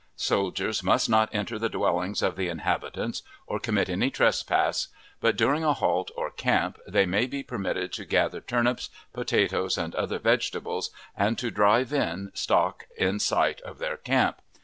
Soldiers must not enter the dwellings of the inhabitants, or commit any trespass; but, during a halt or camp, they may be permitted to gather turnips, potatoes, and other vegetables, and to drive in stock in sight of their camp.